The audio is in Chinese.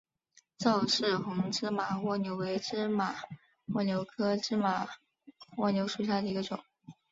赵氏红芝麻蜗牛为芝麻蜗牛科芝麻蜗牛属下的一个种。